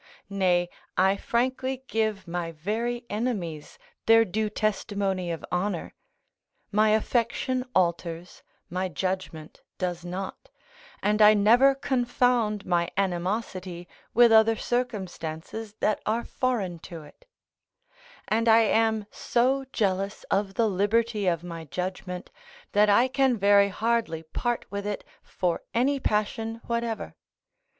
Nay, I frankly give my very enemies their due testimony of honour; my affection alters, my judgment does not, and I never confound my animosity with other circumstances that are foreign to it; and I am so jealous of the liberty of my judgment that I can very hardly part with it for any passion whatever.